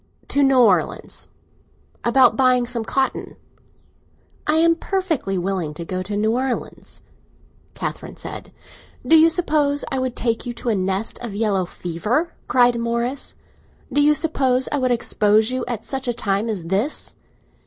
"To New Orleans. About buying some cotton." "I am perfectly willing to go to New Orleans." Catherine said. "Do you suppose I would take you to a nest of yellow fever?" cried Morris. "Do you suppose I would expose you at such a time as this?"